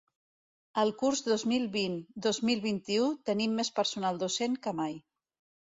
Al curs dos mil vint-dos mil vint-i-u tenim més personal docent que mai.